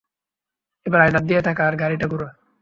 এবার আয়নার দিকে তাকা আর গাড়িটা ঘুরা।